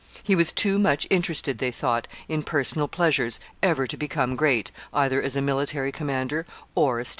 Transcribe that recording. He was too much interested, they thought, in personal pleasures ever to become great, either as a military commander or a statesman.